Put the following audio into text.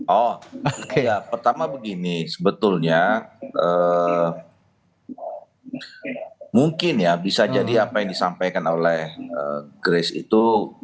oh ya pertama begini sebetulnya mungkin ya bisa jadi apa yang disampaikan oleh grace itu